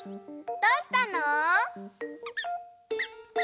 どうしたの？